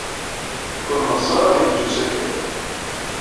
Ur neɣs ara ad aɣ-yeǧǧ usakal.